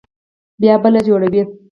بيا بله جوړوي.